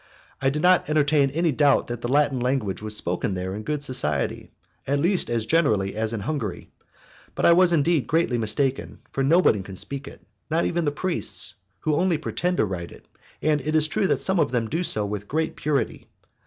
I did not entertain any doubt that the Latin language was spoken there in good society, at least as generally as in Hungary. But I was indeed greatly mistaken, for nobody can speak it, not even the priests, who only pretend to write it, and it is true that some of them do so with great purity.